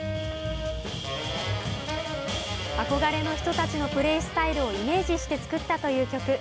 憧れの人たちのプレースタイルをイメージして作ったという曲。